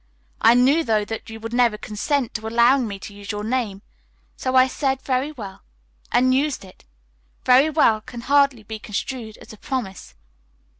I knew, though, that you would never consent to allowing me to use your name. So I said 'Very well,' and used it. 'Very well' can hardly be construed as a promise."